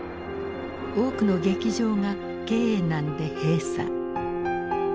多くの劇場が経営難で閉鎖。